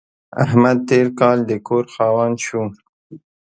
احمد تېر کال د کور خاوند شو.